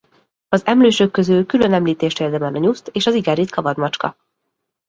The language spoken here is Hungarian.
Az emlősök közül külön említést érdemel a nyuszt és az igen ritka vadmacska.